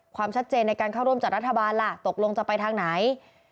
ความชัดเจนในการเข้าร่วมจัดรัฐบาลล่ะตกลงจะไปทางไหน